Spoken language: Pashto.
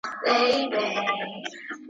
ډيپلوماتيکي خبري په سړه سینه ترسره کیږي.